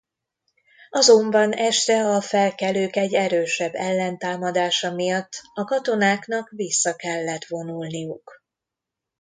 Azonban este a felkelők egy erősebb ellentámadása miatt a katonáknak vissza kellett vonulniuk.